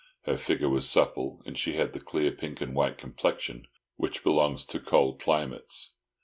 Her figure was supple, and she had the clear pink and white complexion which belongs to cold climates.